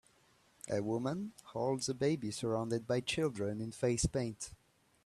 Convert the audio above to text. A woman holds a baby surrounded by children in face paint.